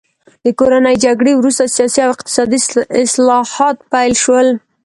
د کورنۍ جګړې وروسته سیاسي او اقتصادي اصلاحات پیل شول.